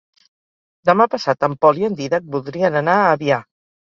Demà passat en Pol i en Dídac voldrien anar a Avià.